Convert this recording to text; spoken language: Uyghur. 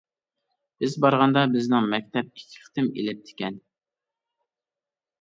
بىز بارغاندا بىزنىڭ مەكتەپ ئىككى قېتىم ئېلىپتىكەن.